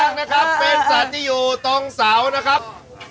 ข้างนะครับเป็นสัตว์ที่อยู่ตรงเสานะครับ